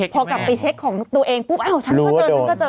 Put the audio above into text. พอกลับไปเช็คของตัวเองปุ๊บอ้าวฉันก็เจอฉันก็เจอ